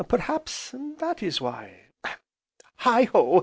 Perhaps that is why Heigho!